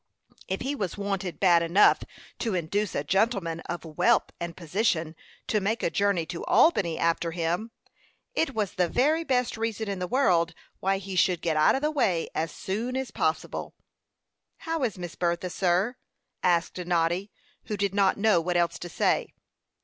If he was wanted "bad enough" to induce a gentleman of wealth and position to make a journey to Albany after him, it was the very best reason in the world why he should get out of the way as soon as possible. "How is Miss Bertha, sir?" asked Noddy, who did not know what else to say.